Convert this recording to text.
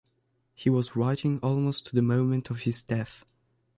He was writing almost to the moment of his death.